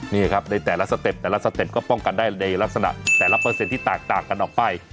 นี่ครับในแต่ละสเต็ปแต่ละสเต็ปก็ป้องกันได้ในลักษณะแต่ละเปอร์เซ็นต์ที่แตกต่างกันออกไป